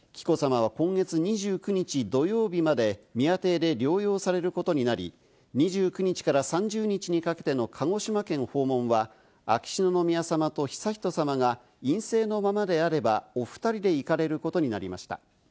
紀子さまは今月２９日土曜日まで宮邸で療養されることになり、２９日から３０日にかけての鹿児島県訪問は秋篠宮さまと悠仁さまが陰性のままであれば、おふたりで行かれることになりました。